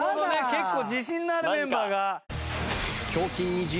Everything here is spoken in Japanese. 結構自信のあるメンバーが。